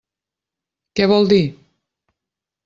Què vol dir?